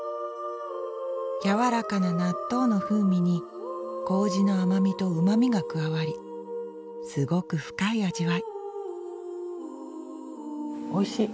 やわらかな納豆の風味に麹の甘みとうまみが加わりすごく深い味わいおいしい！